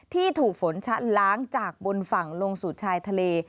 ที่ถูกฝนชะล้างจากบนฝั่งลงสู่ชายทะเล